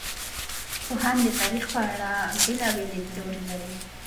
پوهان د تاریخ په اړه بېلابېل لیدلوري لري.